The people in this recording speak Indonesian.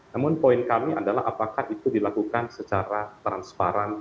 namun poin kami adalah apakah itu dilakukan secara transparan